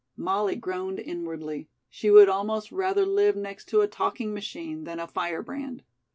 Molly groaned inwardly. She would almost rather live next to a talking machine than a firebrand.